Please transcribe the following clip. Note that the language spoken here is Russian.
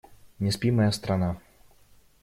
Не спи, моя страна!